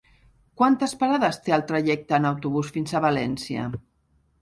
Quantes parades té el trajecte en autobús fins a València?